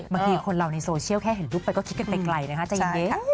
บางทีคนเราในโซเชียลแค่เห็นรูปไปก็คิดกันไปไกลนะคะใจเย็น